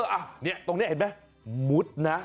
อ่ะนี่ตรงนี้เห็นมั้ยหมุดนะอ่า